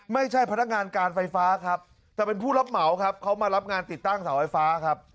พนักงานการไฟฟ้าครับแต่เป็นผู้รับเหมาครับเขามารับงานติดตั้งเสาไฟฟ้าครับ